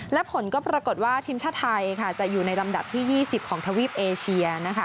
และผลก็ปรากฏว่าทีมชาติไทยจะอยู่ในลำดับที่๒๐ของทวีปเอเชียนะคะ